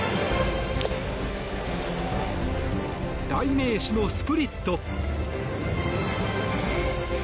代名詞のスプリット。